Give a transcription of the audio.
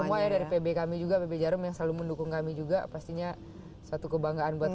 semua ya dari pb kami juga pb jarum yang selalu mendukung kami juga pastinya suatu kebanggaan buat